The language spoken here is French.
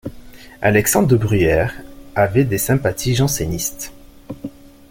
Alexandre de Bruyère avait des sympathies jansénistes.